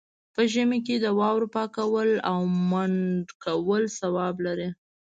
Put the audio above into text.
په ژمي کې د واورو پاکول او منډ کول ثواب لري.